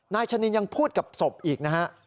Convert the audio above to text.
ชะนินยังพูดกับศพอีกนะฮะ